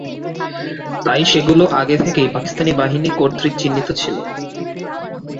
তাই সেগুলো আগে থেকেই পাকিস্তানি বাহিনী কর্তৃক চিহ্নিত ছিল।